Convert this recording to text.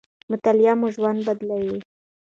مطالعه مو ژوند بدلوي.